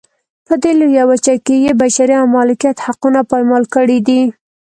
په دې لویه وچه کې یې بشري او مالکیت حقونه پایمال کړي دي.